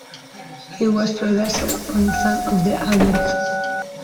He was producer on some of the albums.